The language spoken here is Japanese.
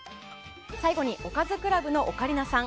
最後におかずクラブのオカリナさん。